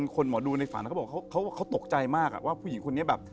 คนหมอดูในฝันเขาบอกเขาตกใจมากว่าผู้หญิงคนนี้แบบ